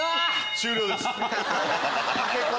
終了です。